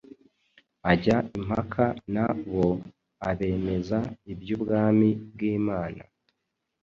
ajya impaka na bo, abemeza iby’ubwami bw’Imana.”